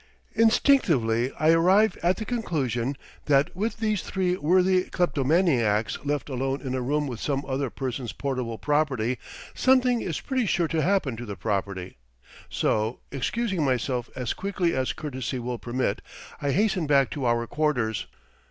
Instinctively I arrive at the conclusion that with these three worthy kleptomaniacs left alone in a room with some other person's portable property, something is pretty sure to happen to the property; so, excusing myself as quickly as courtesy will permit, I hasten back to our quarters.